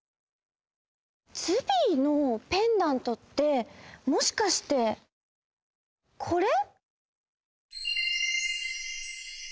ズビーのペンダントってもしかしてこれ？